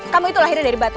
kamu itu lahir dari batu